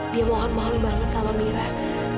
dia mohon mohon banget sama amirah